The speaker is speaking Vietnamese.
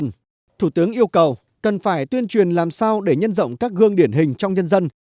nhưng thủ tướng yêu cầu cần phải tuyên truyền làm sao để nhân rộng các gương điển hình trong nhân dân